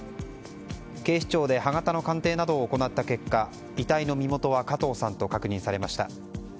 警視庁で歯型の鑑定などを行った結果遺体の身元は加藤さんと確認されました。